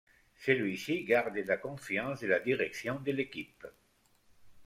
Celui-ci garde la confiance de la direction de l'équipe.